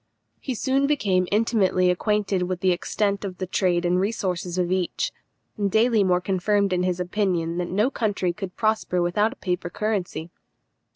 He soon became intimately acquainted with the extent of the trade and resources of each, and daily more confirmed in his opinion that no country could prosper without a paper currency.